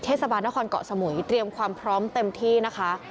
เทศบาลนครเกาะสมุยเตรียมความพร้อมเต็มที่นะคะ